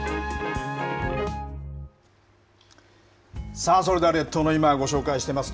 さあ、それでは列島の今、ご紹介しています、